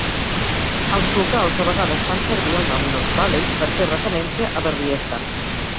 Els locals a vegades fan servir el nom North Valley per fer referència a Berryessa.